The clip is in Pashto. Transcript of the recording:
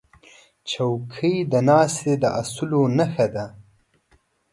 چوکۍ د ناستې د اصولو نښه ده.